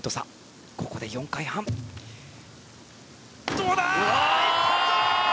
どうだ！